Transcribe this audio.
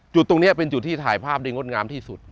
จุดตรงนี้เป็นไปถ่ายภาพยุดงสง่ามที่สุด